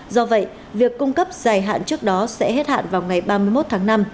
do vậy việc cung cấp dài hạn trước đó sẽ hết hạn vào ngày ba mươi một tháng năm